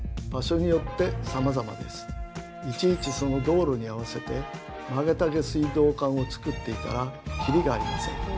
いちいちその道路に合わせて曲げた下水道管をつくっていたらきりがありません。